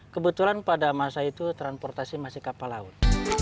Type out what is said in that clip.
kebetulan pada masa itu transportasi masih kapal laut